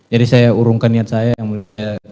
jadi saya urungkan niat saya yang mulia